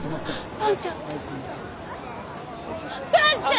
伴ちゃん！